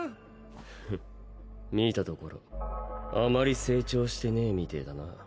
フッ観たところあまり成長してねぇみてえだな。